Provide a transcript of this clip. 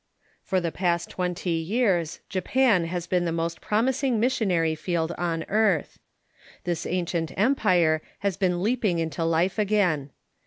For the past twenty years Japan has been the most promis ing missionary field on earth. This ancient empire has been leaping into life again.